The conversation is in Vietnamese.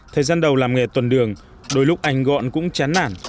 thời gian đầu làm nghề tuần đường đôi lúc anh gọn cũng chán nản